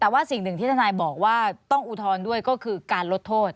แต่ว่าสิ่งหนึ่งที่ทนายบอกว่าต้องอุทธรณ์ด้วยก็คือการลดโทษ